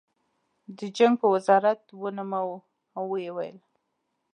د جنګ په وزارت ونوموه او ویې ویل